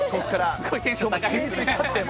すごいテンション高いですね。